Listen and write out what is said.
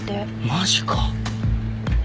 マジか。